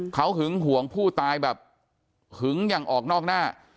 เขาหึงห่วงผู้ตายแบบหึงอย่างออกนอกหน้า